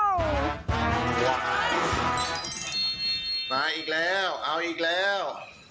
มาอีกแล้วเอาอีกแล้ว